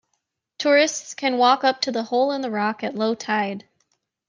Tourists can walk up to the hole in the rock at low tide.